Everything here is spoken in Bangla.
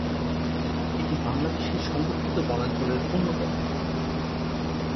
এটি বাংলাদেশের সংরক্ষিত বনাঞ্চলের মধ্যে অন্যতম।